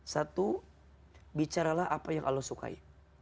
satu bicaralah apa yang allah sukai